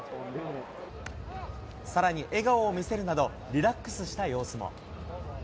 さらに、笑顔を見せるなど、リラックスした様子も。